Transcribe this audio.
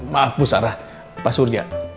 maaf bu sarah pak surya